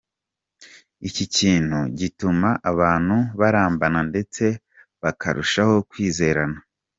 Iki kintu gituma abantu barambana ndetse bakarushaho kwizerana.